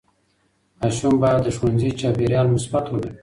ماشوم باید د ښوونځي چاپېریال مثبت وګڼي.